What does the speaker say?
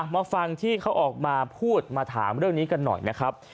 มาฟังที่เขาออกมาพูดมาถามเรื่องนี้กันหน่อยนะครับ